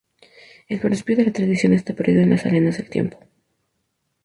El principio de la tradición está perdido en las arenas del tiempo.